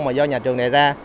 mà do nhà trường đào tạo